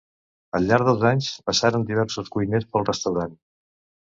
Al llarg dels anys passaren diversos cuiners pel restaurant.